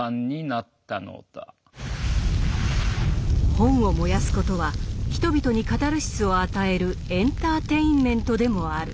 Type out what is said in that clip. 本を燃やすことは人々にカタルシスを与えるエンターテインメントでもある。